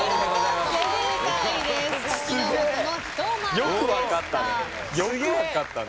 よく分かったね。